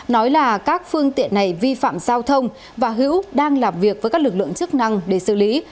nói là các phương tiện này vi phạm giao thông và hữu đang làm việc với các lực lượng chức năng để xử lý